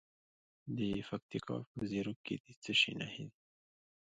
د پکتیکا په زیروک کې د څه شي نښې دي؟